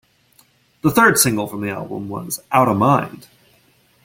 The third single from the album was "Outta Mind".